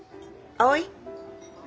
葵？